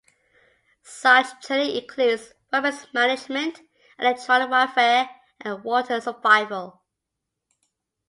Such training includes weapons management, electronic warfare, and water survival.